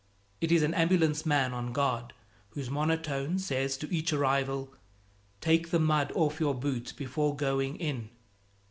It is an ambulance man on guard, whose monotone says to each arrival, "Take the mud off your boots before going in."